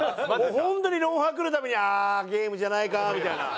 本当に『ロンハー』来るたびにああーゲームじゃないかみたいな。